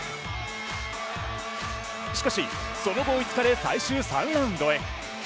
しかしその後追いつかれ最終３ラウンドへ。